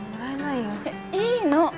いいの！